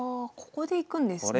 ここでいくんですね。